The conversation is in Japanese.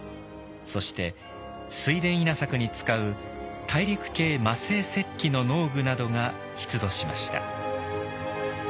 そして水田稲作に使う大陸系磨製石器の農具などが出土しました。